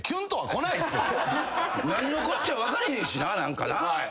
何のこっちゃ分かれへんしな何かな。